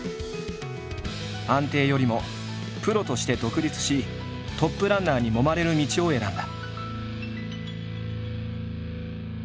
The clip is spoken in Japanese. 安定よりもプロとして独立しトップランナーに揉まれる道を選んだ。